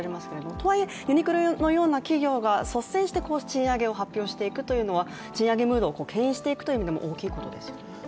とはいえ、ユニクロのような企業が率先して賃上げを発表していくというのは賃上げムードをけん引していくという意味でも大きいことですよね。